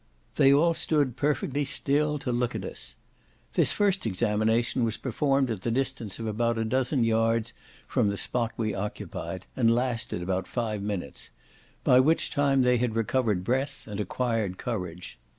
They all stood perfectly still to look at us. This first examination was performed at the distance of about a dozen yard from the spot we occupied, and lasted about five minutes, by which time they had recovered breath, and acquired courage.